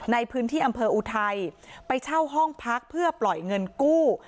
ในพื้นที่อำเภออุทัยไปเช่าห้องพักเพื่อปล่อยเงินกู้